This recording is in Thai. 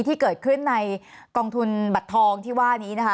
ที่เกิดขึ้นในกองทุนบัตรทองที่ว่านี้นะคะ